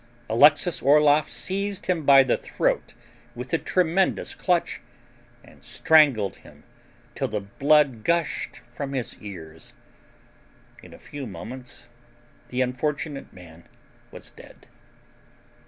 Alexis Orloff seized him by the throat with a tremendous clutch and strangled him till the blood gushed from his ears. In a few moments the unfortunate man was dead.